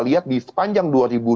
lihat di sepanjang dua ribu dua puluh